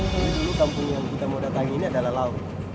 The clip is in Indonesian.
kampung yang kita mau datangin ini adalah laut